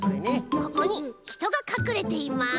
ここにひとがかくれています！